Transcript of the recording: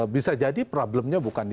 bisa jadi problemnya bukan di